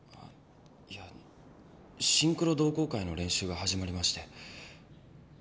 いやシンクロ同好会の練習が始まりまして。